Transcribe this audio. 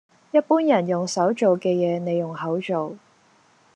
一般人用手做嘅嘢，你用口做